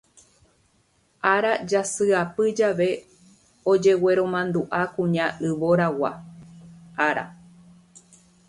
Ára jasyapy jave ojegueromanduʼa Kuña Yvoragua Ára.